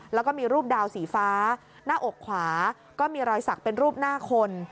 แล้วก็มีรูปดาวสีฟ้าหน้าอกขวาก็มีรอยสักเป็นรูปหน้าคน